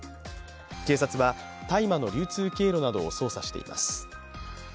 警察は大麻の流通経路などを捜査しています。